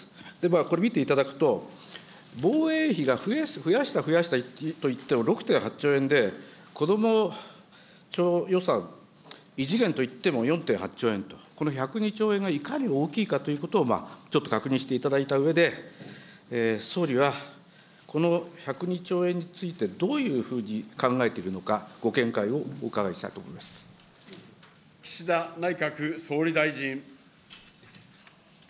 これ見ていただくと、防衛費は増やした増やしたといっても６．８兆円で、こども庁予算、異次元といっても４．８兆円と、この１０２兆円がいかに大きいかということを、ちょっと確認していただいたうえで、総理はこの１０２兆円についてどういうふうに考えているのか、ご見解をお伺い岸田内閣総理大臣。